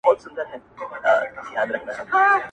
• درد بايد درک کړل سي تل..